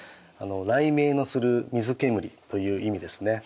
雷鳴のする水煙という意味ですね。